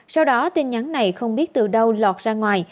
sau đó tin nhắn này không biết từ đâu lọt ra ngoài